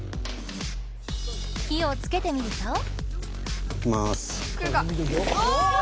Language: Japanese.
火をつけてみると。いきます。